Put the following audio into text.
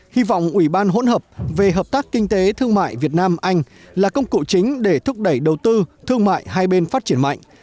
hy vọng ủy ban hỗn hợp về hợp tác kinh tế thương mại việt nam anh là công cụ chính để thúc đẩy đầu tư thương mại hai bên phát triển mạnh